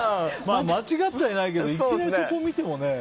間違ってはいないけどいきなりそこを見てもね。